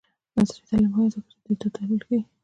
عصري تعلیم مهم دی ځکه چې د ډاټا تحلیل ښيي.